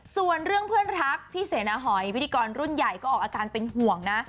ส่วนเรื่องเพื่อนรักพี่เสนาหอยพิธีกรรุ่นใหญ่ก็ออกอาการเป็นห่วงนะ